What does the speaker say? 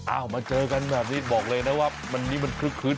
มาเจอกันแบบนี้บอกเลยนะว่าวันนี้มันคึก